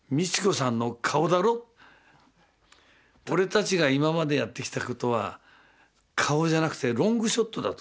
俺たちが今までやってきた事は顔じゃなくてロングショットだ」と。